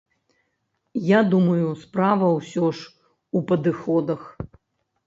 Я думаю, справа ўсё ж у падыходах.